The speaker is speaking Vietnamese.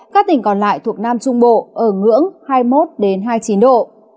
các tỉnh còn lại thuộc nam trung bộ ở ngưỡng hai mươi một hai mươi chín độ